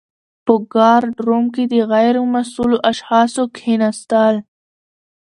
په ګارډ روم کي د غیر مسؤلو اشخاصو کښيناستل .